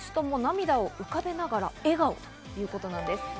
３選手とも涙を浮かべながら笑顔ということなんです。